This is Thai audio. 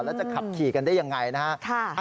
แล้วจะขับขี่กันได้ยังไงนะฮะ